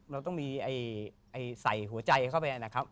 เราต้องมีใส่หัวใจเข้าไปนะครับ